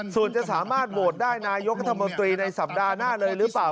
ส่วนจะสามารถโหวตได้นายกรัฐมนตรีในสัปดาห์หน้าเลยหรือเปล่า